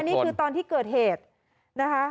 นี่คือตอนที่เกิดเหตุนะคะ